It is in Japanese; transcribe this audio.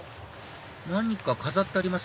何か飾ってあります？